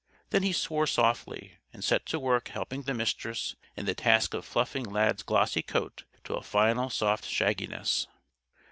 Then he swore softly, and set to work helping the Mistress in the task of fluffing Lad's glossy coat to a final soft shagginess.